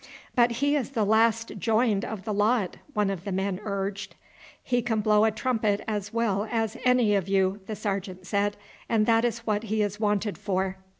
"But he is the last joined of the lot," one of the men urged. "He can blow a trumpet as well as any of you," the sergeant said, "and that is what he is wanted for.